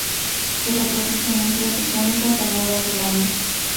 Se reproduce en islas oceánicas de Nueva Zelanda.